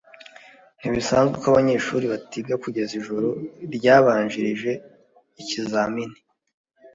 Ntibisanzwe ko abanyeshuri batiga kugeza ijoro ryabanjirije ikizamini.